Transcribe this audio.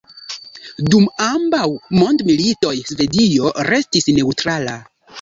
Dum ambaŭ mondmilitoj Svedio restis neŭtrala.